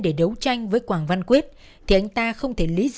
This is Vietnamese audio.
để đấu tranh